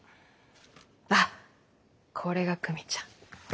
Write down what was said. あっこれが久美ちゃん。